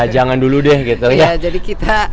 jangan dulu deh gitu ya jadi kita